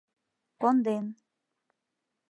Конден.